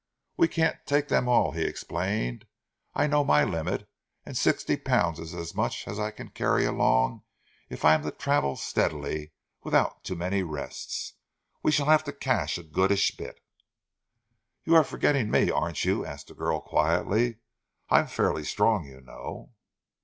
"We can't take them all," he explained. "I know my limit, and sixty pounds is as much as I can carry along if I am to travel steadily, without too many rests. We shall have to cache a goodish bit." "You are forgetting me, aren't you?" asked the girl, quietly. "I'm fairly strong, you know."